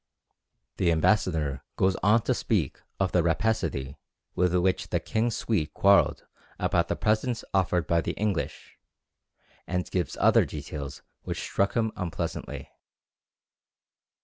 The ambassador goes on to speak of the rapacity with which the king's suite quarrelled about the presents offered by the English, and gives other details which struck him unpleasantly.